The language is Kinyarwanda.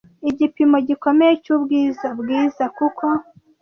Igipimo gikomeye cyubwiza bwiza, "kuko